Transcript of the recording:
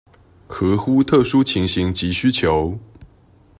合乎特殊情形及需求